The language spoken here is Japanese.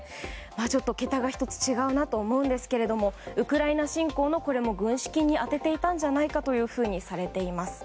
ちょっと桁が１つ違うなと思いますがウクライナ侵攻の軍資金に充てていたんじゃないかとされています。